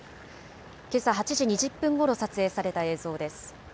けさ８時２０分ごろ撮影された映像です。